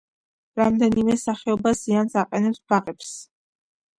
რამდენიმე სახეობა ზიანს აყენებს ბაღებს.